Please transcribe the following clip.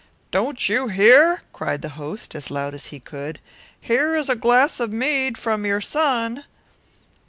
"Do you not hear?" cried the landlord as loud as he could; "here is a glass of mead from your grandson."